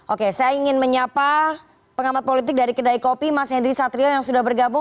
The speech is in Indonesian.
oke saya ingin menyapa pengamat politik dari kedai kopi mas henry satrio yang sudah bergabung